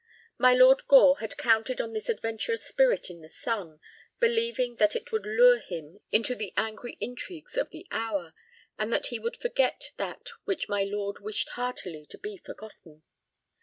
My Lord Gore had counted on this adventurous spirit in the son, believing that it would lure him into the angry intrigues of the hour, and that he would forget that which my lord wished heartily to be forgotten.